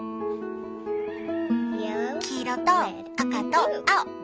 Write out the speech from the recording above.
黄色と赤と青。